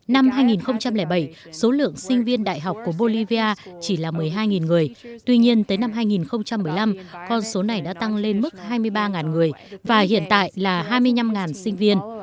năm hai nghìn bảy số lượng sinh viên đại học của bolivia chỉ là một mươi hai người tuy nhiên tới năm hai nghìn một mươi năm con số này đã tăng lên mức hai mươi ba người và hiện tại là hai mươi năm sinh viên